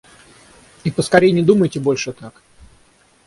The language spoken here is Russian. И поскорей не думайте больше так!